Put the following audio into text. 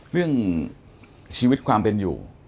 เรื่องชีวิตความเป็นอยู่